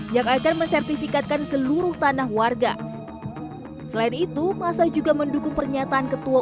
yang akan mensertifikatkan seluruh tanah warga selain itu masa juga mendukung pernyataan ketua